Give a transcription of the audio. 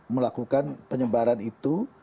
melakukan penyebaran itu